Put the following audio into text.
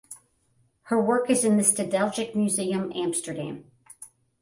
Her work is in the Stedelijk Museum Amsterdam.